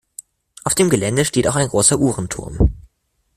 Auf dem Gelände steht auch ein großer Uhrenturm.